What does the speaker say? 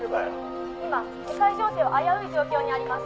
「今世界情勢は危うい状況にあります」